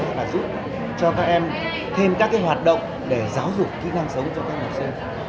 sẽ là giúp cho các em thêm các hoạt động để giáo dục kỹ năng sống cho các học sinh